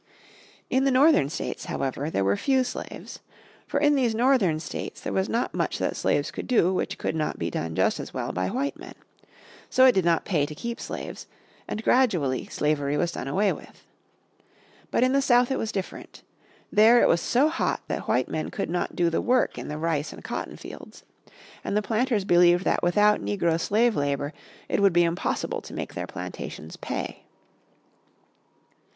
In the northern states, however, there were few slaves. For in these northern states there was not much that slaves could do which could not be done just as well by white men. So it did not pay to keep slaves, and gradually slavery was done away with. But in the South it was different. There it was so hot that white men could not do the work in the rice and cotton fields. And the planters believed that without Negro slave labour it would be impossible to make their plantations pay.